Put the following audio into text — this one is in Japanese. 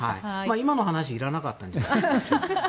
今の話いらなかったんじゃないかな。